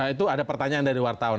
itu ada pertanyaan dari wartawan